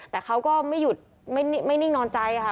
แต่เขาก็ไม่นิ่งนอนใจค่ะ